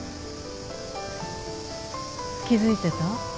気付いてた？